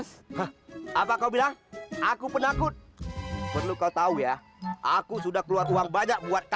sampai jumpa di video selanjutnya